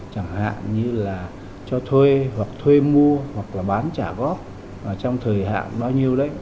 chẳng hạn như là cho thuê thuê mua hoặc bán trả góp trong thời hạn bao nhiêu đấy